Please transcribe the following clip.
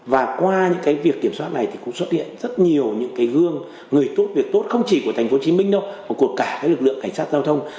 và qua những cái việc kiểm soát này thì cũng xuất hiện rất nhiều những cái gương người tốt việc tốt không chỉ của thành phố hồ chí minh đâu mà của cả cái lực lượng cảnh sát giao thông